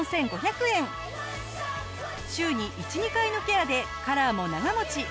週に１２回のケアでカラーも長持ち。